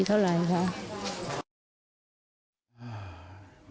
ค่อยดีเท่าไหร่ค่ะ